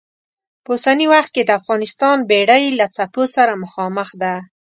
په اوسني وخت کې د افغانستان بېړۍ له څپو سره مخامخ ده.